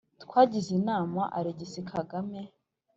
twagize n’imana alegisi kagame